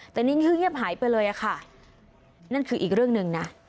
แต่นิ้งคือเงียบหายไปเลยอะค่ะนั่นคืออีกเรื่องหนึ่งนะ